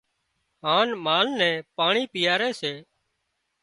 هانَ مال نين پاڻي پيئاري سي